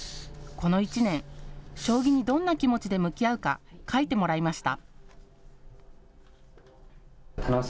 この１年、将棋にどんな気持ちで向き合うか書いてもらいました。